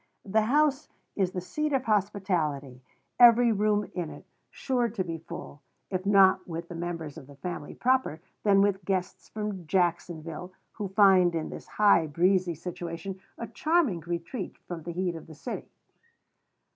The house is the seat of hospitality; every room in it sure to be full, if not with the members of the family proper, then with guests from Jacksonville, who find, in this high, breezy situation, a charming retreat from the heat of the city.